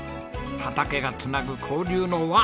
畑が繋ぐ交流の輪。